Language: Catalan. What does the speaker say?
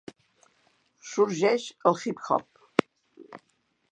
Sorgeix el hip-hop.